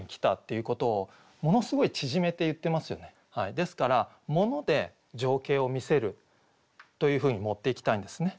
ですから「モノで情景を見せる」というふうに持っていきたいんですね。